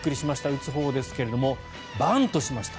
打つほうですがバントしました。